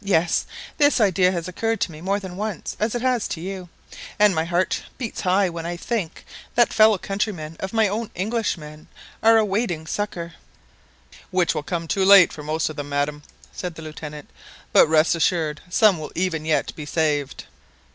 Yes, this idea has occurred to me more than once, as it has to you; and my heart beats high when I think that fellow countrymen of my own Englishmen are awaiting succour." "Which will come too late for most of them, madam," said the Lieutenant; "but rest assured some will even yet be saved."